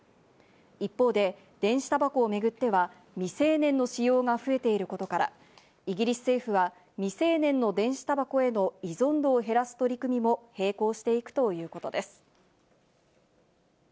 一方で電子たばこをめぐっては未成年の使用が増えていることから、イギリス政府は未成年の電子たばこへの依存度を減らす取り組みも並行していくということです。